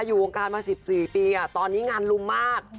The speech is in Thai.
อยู่วงการมา๑๔ปีตอนนี้งานลุมมาก